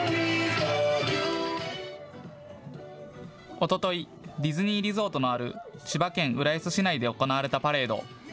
おととい、ディズニーリゾートのある千葉県浦安市内で行われたパレード。